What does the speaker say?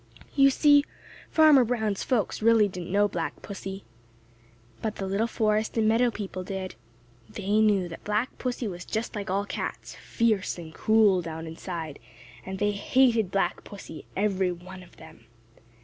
You see, Farmer Brown's folks really didn't know Black Pussy. But the little forest and meadow people did. They knew that Black Pussy was just like all cats,—fierce and cruel down inside,—and they hated Black Pussy, every one of them.